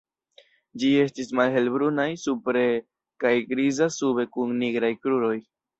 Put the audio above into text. Ĝi estis malhelbrunaj supre kaj griza sube kun nigraj kruroj.